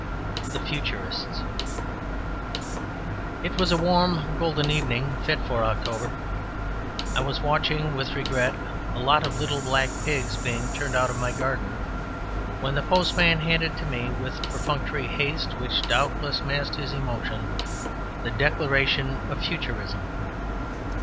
The Futurists It was a warm golden evening, fit for October, and I was watching (with regret) a lot of little black pigs being turned out of my garden, when the postman handed to me, with a perfunctory haste which doubtless masked his emotion, the Declaration of Futurism.